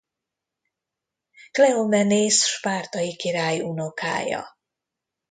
Kleomenész spártai király unokája.